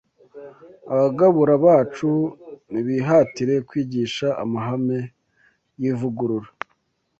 Abagabura Bacu Nibihatire Kwigisha Amahame y’Ivugurura